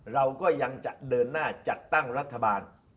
เราก็ยังจะเดินหน้าจัดตั้งรัฐบาล